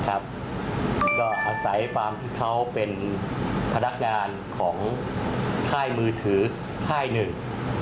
ก็อาศัยความที่เขาเป็นพนักงานของค่ายมือถือค่ายหนึ่ง